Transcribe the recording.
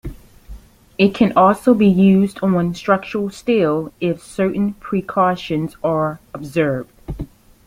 It can also be used on structural steel if certain precautions are observed.